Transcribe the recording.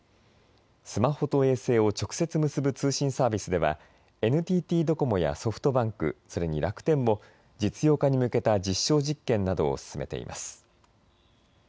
スマホと衛星を直接結ぶ通信サービスではＮＴＴドコモやソフトバンク、それに楽天も実用化に向けた実証実験などを進めています。